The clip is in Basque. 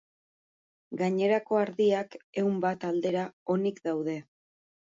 Gainerako ardiak, ehun bat aldera, onik daude.